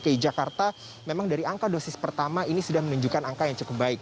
dki jakarta memang dari angka dosis pertama ini sudah menunjukkan angka yang cukup baik